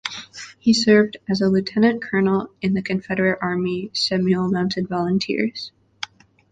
He served as a Lieutenant Colonel in the Confederate Army Seminole Mounted Volunteers.